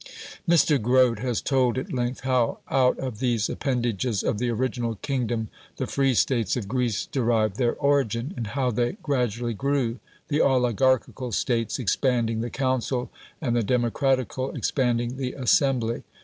Mr. Grote has told at length how out of these appendages of the original kingdom the free States of Greece derived their origin, and how they gradually grew the oligarchical States expanding the council, and the democratical expanding the assembly.